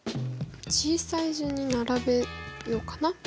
小さい順に並べようかな。